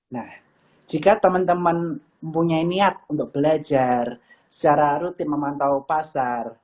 nah jika teman teman punya niat untuk belajar secara rutin memantau pasar